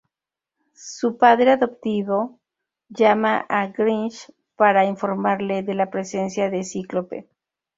Su padre adoptivo llama a Gyrich para informarle de la presencia de Cíclope.